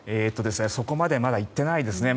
そこまでまだいってないですね。